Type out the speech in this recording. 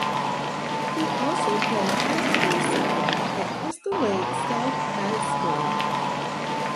He also played high school soccer at Crystal Lake South High School.